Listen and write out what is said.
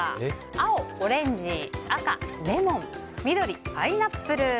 青、オレンジ赤、レモン緑、パイナップル。